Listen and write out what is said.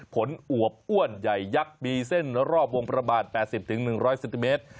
อวบอ้วนใหญ่ยักษ์มีเส้นรอบวงประมาณ๘๐๑๐๐เซนติเมตร